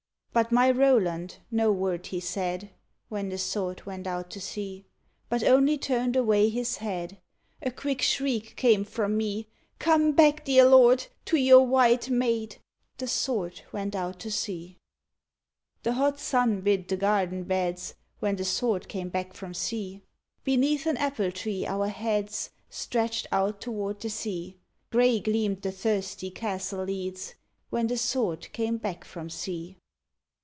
_ But my Roland, no word he said When the Sword went out to sea, But only turn'd away his head; A quick shriek came from me: Come back, dear lord, to your white maid. The Sword went out to sea. The hot sun bit the garden beds When the Sword came back from sea; Beneath an apple tree our heads Stretched out toward the sea; Grey gleam'd the thirsty castle leads, _When the Sword came back from sea.